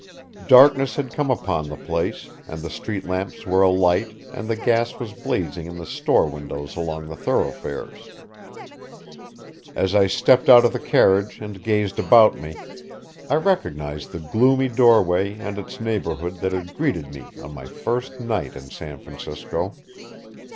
Darkness had come upon the place, and the street lamps were alight and the gas was blazing in the store windows along the thoroughfares. As I stepped out of the carriage and gazed about me, I recognized the gloomy doorway and its neighborhood that had greeted me on my first night in San Francisco.